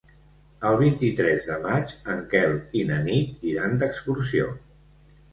El vint-i-tres de maig en Quel i na Nit iran d'excursió.